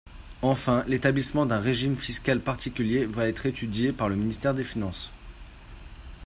Enfin, l’établissement d’un régime fiscal particulier va être étudié par le ministère des finances.